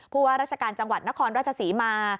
ว่าราชการจังหวัดนครราชศรีมา